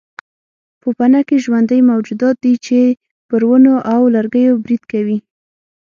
پوپنکي ژوندي موجودات دي چې پر ونو او لرګیو برید کوي.